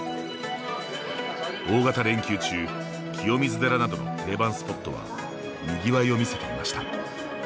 大型連休中清水寺などの定番スポットはにぎわいを見せていました。